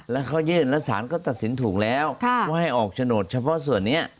แล้วเขายื่นแล้วสารก็ตัดสินถูกแล้วว่าให้ออกโฉนดเฉพาะส่วนนี้